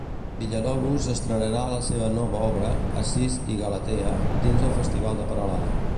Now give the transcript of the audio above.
Villalobos estrenarà la seva nova obra, "Acis i Galatea", dins el Festival de Peralada.